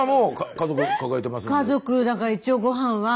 家族だから一応ごはんは。